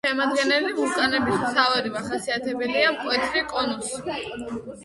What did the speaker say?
შემადგენელი ვულკანების მთავარი მახასიათებელია მკვეთრი კონუსი.